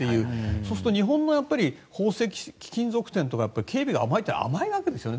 そうすると日本の貴金属店とか警備が甘いわけですよね。